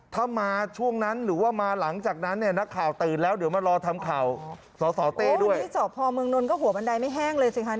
พอเมืองนนตร์ก็หัวบันไดไม่แห้งเลยสิครับ